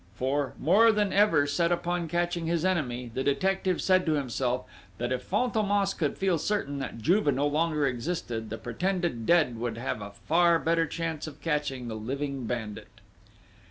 For, more than ever set upon catching his enemy, the detective said to himself, that if Fantômas could feel certain that Juve no longer existed, the pretended dead would have a far better chance of catching the living bandit!